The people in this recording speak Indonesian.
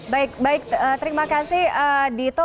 baik baik terima kasih dito